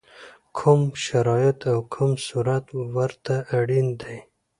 کوم شرایط او کوم صورت ورته اړین دی؟